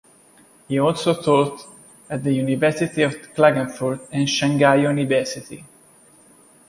He also taught at the University of Klagenfurt and Shanghai University.